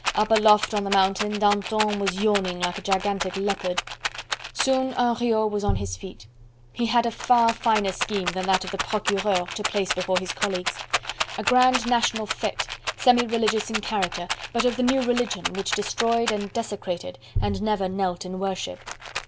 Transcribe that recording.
Up aloft on the Mountain, Danton was yawning like a gigantic leopard. Soon Henriot was on his feet. He had a far finer scheme than that of the Procureur to place before his colleagues. A grand National fete, semi religious in character, but of the new religion which destroyed and desecrated and never knelt in worship.